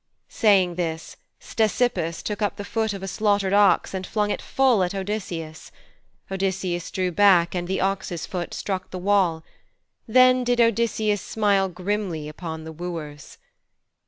Saying this, Ctesippus took up the foot of a slaughtered ox and flung it full at Odysseus. Odysseus drew back, and the ox's foot struck the wall. Then did Odysseus smile grimly upon the wooers.